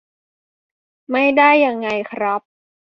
ไม่ได้ยังไงครับ